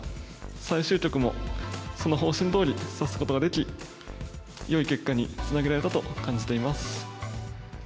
最終局もその方針どおり指すことができ、よい結果につなげられたと感じています。